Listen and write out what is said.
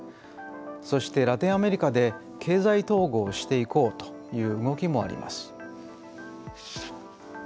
そしてラテンアメリカで経済統合していこうという動きもあります。